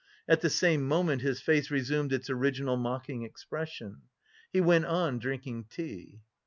At the same moment his face resumed its original mocking expression. He went on drinking tea.